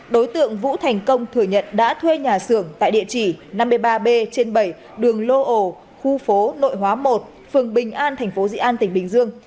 đối tượng vũ thành công thừa nhận đã thuê nhà xưởng tại địa chỉ năm mươi ba b trên bảy đường lô ồ khu phố nội hóa một phường bình an thành phố dị an tỉnh bình dương